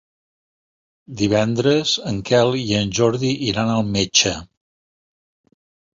Divendres en Quel i en Jordi iran al metge.